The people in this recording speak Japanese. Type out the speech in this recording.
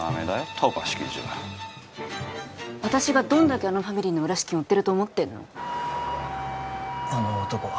飛ばし記事は私がどんだけあのファミリーの裏資金追ってると思ってんのあの男は？